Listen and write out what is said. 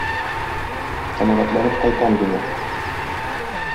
Канәгатьләнеп кайтам, димәк.